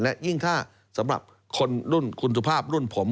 และยิ่งถ้าสำหรับคนรุ่นคุณสุภาพรุ่นผม